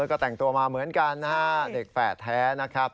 แล้วก็แต่งตัวมาเหมือนกันนะฮะเด็กแฝดแท้นะครับ